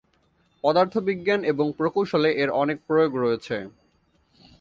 পদার্থবিজ্ঞান এবং প্রকৌশলে এর অনেক প্রয়োগ রয়েছে।